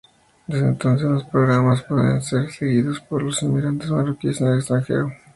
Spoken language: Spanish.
Desde entonces los programas pueden ser seguidos por los emigrantes marroquíes en el extranjero.